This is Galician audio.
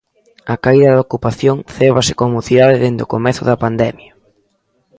A caída da ocupación cébase coa mocidade desde o comezo da pandemia.